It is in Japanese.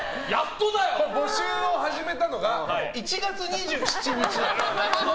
募集を始めたのが１月２７日です。